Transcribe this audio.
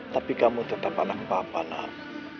tapi kamu tetap anak papa nak